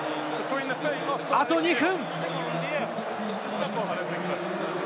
あと２分。